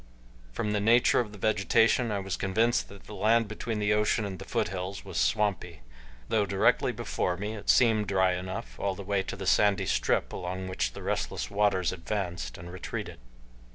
From the nature of the vegetation I was convinced that the land between the ocean and the foothills was swampy, though directly before me it seemed dry enough all the way to the sandy strip along which the restless waters advanced and retreated.